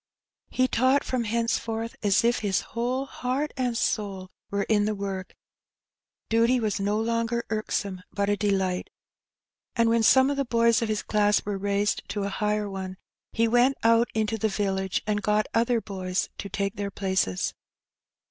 He taught from henceforth as if his whole heart and soul were in the work ; duty was no longer irksome, but a delight, and Life at the Fabm. 233 when some of the boys of his class were raised to a higher one, he went out into the village and got other boys to take their places.